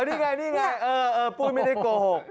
อ๋อนี่ไงบุ๊ยไม่ได้โกหก